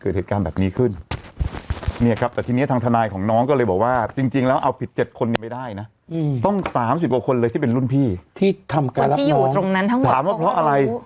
ที่เป็นรุ่นพี่ที่ทำการรับน้องคนที่อยู่ตรงนั้นทั้งหมดถามว่าเพราะอะไร